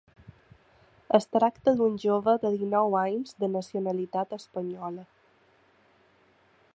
Es tracta d’un jove de dinou anys de nacionalitat espanyola.